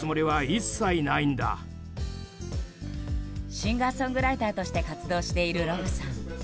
シンガーソングライターとして活動しているロブさん。